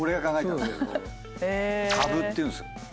「かぶ」っていうんですよ。